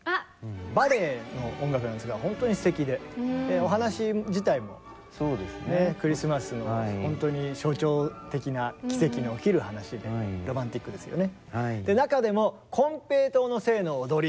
バレエの音楽なんですがほんとにすてきでお話自体もクリスマスのほんとに象徴的な奇跡の起きる話でロマンティックですよね。